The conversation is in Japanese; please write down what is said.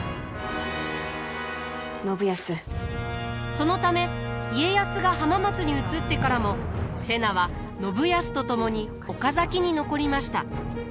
そのため家康が浜松に移ってからも瀬名は信康と共に岡崎に残りました。